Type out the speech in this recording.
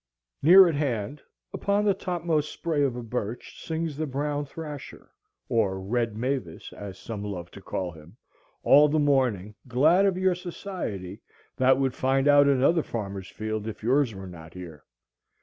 Near at hand, upon the topmost spray of a birch, sings the brown thrasher—or red mavis, as some love to call him—all the morning, glad of your society, that would find out another farmer's field if yours were not here.